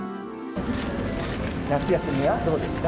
夏休みはどうでした？